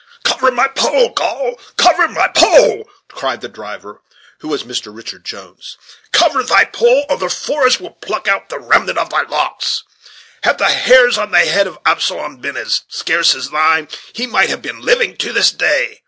"Cover thy poll, Gaul, cover thy poll," cried the driver, who was Mr. Richard Jones; "cover thy poll, or the frost will pluck out the remnant of thy locks. Had the hairs on the head of Absalom been as scarce as thine, he might have been living to this day."